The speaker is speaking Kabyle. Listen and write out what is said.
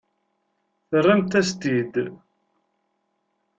Terramt-as-t-id.